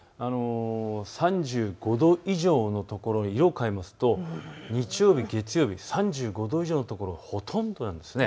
３５度以上のところの色を変えると日曜日、月曜日、３５度以上の所がほとんどあります。